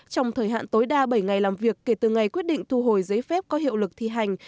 trong thời hạn tối đa bảy ngày làm việc kể từ ngày quyết định thu hồi giấy phép có hiệu lực thi hành